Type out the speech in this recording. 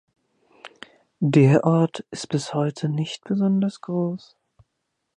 Der Ort ist bis heute nicht besonders groß.